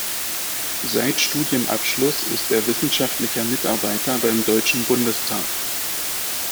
Seit Studienabschluss ist er Wissenschaftlicher Mitarbeiter beim Deutschen Bundestag.